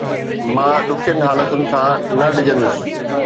مان ڏکين حالتن کان نه ڊڄندس